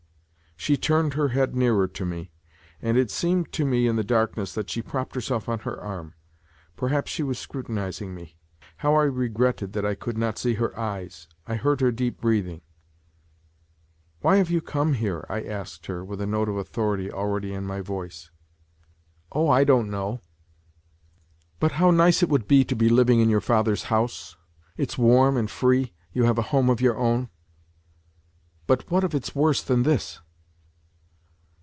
She turned her head nearer to me, and it seemed to me in the darkness that she propped herself on her arm. Perhaps she was scrutinizing me. How I regretted that I could not see her eyes. I heard her deep breathing. " Why have you come here ?" I asked her, with a note of authority already in my voice. " Oh, I don't know." 124 " But how nice it would be to be living in your father's house ! It's warm and free ; you have a home of your own." " But what if it's worse than this